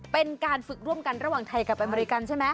เป็นการฝึกร่วมกันระหว่างไทยกับอเมริกันใช่ไหม